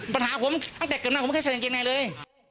ปัญหาผมตั้งแต่แก่หน้าผมมาใส่แกงในเลย